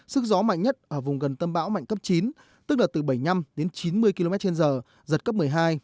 sức gió mạnh nhất ở vùng gần tâm bão mạnh cấp chín tức là từ bảy mươi năm đến chín mươi km trên giờ giật cấp một mươi hai